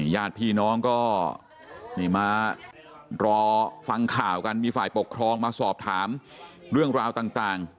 ญาติพี่น้องก็นี่มารอฟังข่าวกันมีฝ่ายปกครองมาสอบถามเรื่องราวต่าง